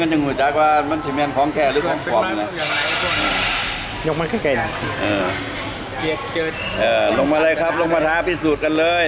ก็ถึงหัวจากว่ามันเป็นมันของแค่หรือของฝ่อมันลงมาเลยครับลงมาท้าพิสูจน์กันเลย